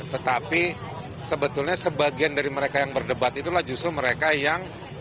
tetapi sebetulnya sebagian dari mereka yang berdebat itulah justru mereka yang